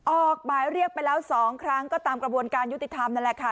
ออกหมายเรียกไปแล้ว๒ครั้งก็ตามกระบวนการยุติธรรมนั่นแหละค่ะ